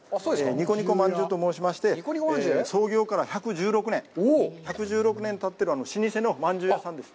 ニコニコ饅頭と申しまして、創業から１１６年、１１６年たっている老舗のまんじゅう屋さんです。